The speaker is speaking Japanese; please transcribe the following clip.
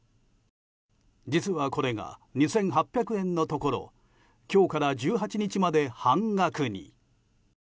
実はこれが、２８００円のところ今日から１８日まで半額に。